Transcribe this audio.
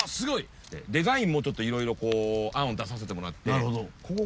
デザインもちょっといろいろ案を出させてもらって。